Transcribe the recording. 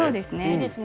いいですね。